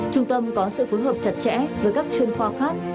trung tâm có sự phối hợp chặt chẽ với các chuyên khoa khác